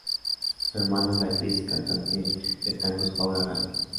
Su hermana es la actriz y cantante de tangos Paula Gales.